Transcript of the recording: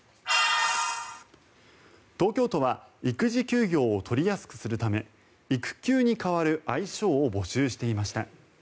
東京都は育児休業を取りやすくするため育休に代わる愛称を募集していました。